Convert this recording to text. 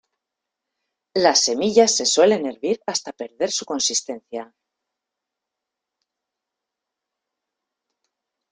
Las semillas se suelen hervir hasta perder su consistencia.